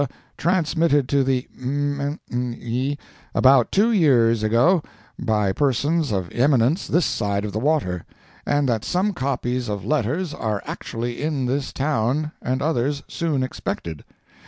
transmitted to the m—y about two years ago by persons of eminence this side the water; and that some copies of letters are actually in this town, and others soon expected.